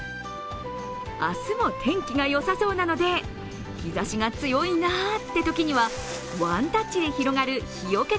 明日も天気がよさそうなので、日ざしが強いなというときにはワンタッチで広がる日よけ